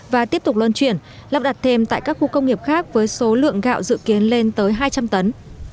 và tiếp tục lân chuyển lắp đặt thêm tại các khu công nghiệp khác với số lượng gạo dự kiến lên tới hai trăm linh tấn